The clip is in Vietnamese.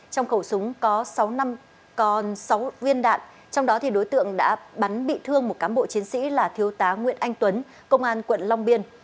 trong khẩu súng có sáu viên đạn trong đó đối tượng đã bắn bị thương một cám bộ chiến sĩ là thiếu tá nguyễn anh tuấn công an quận long biên